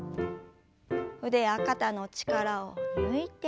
腕や肩の力を抜いて。